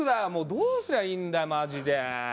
どうすりゃいいんだよマジで。